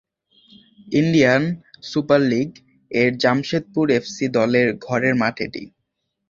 Indian super লীগ-এর Jamshedpur FC দলের ঘরের মাঠ এটি।